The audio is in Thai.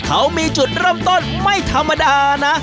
เขามีจุดเริ่มต้นไม่ธรรมดานะ